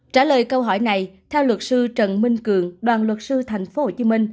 trả lời câu hỏi này theo luật sư trần minh cường đoàn luật sư tp hcm